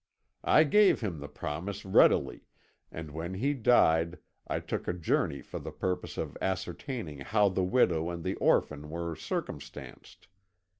I gave him the promise readily, and, when he died, I took a journey for the purpose of ascertaining how the widow and the orphan were circumstanced.